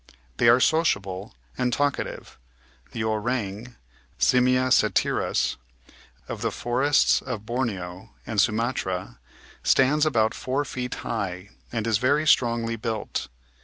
They are sociable and talkative. The Orang {Simla satyrus) of the forests of Borneo and Sumatra stands about four feet high and is very strongly built.